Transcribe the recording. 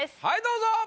はいどうぞ！